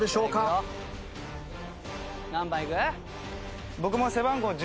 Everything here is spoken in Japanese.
何番いく？